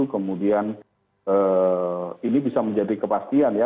kemudian ini bisa menjadi kepastian ya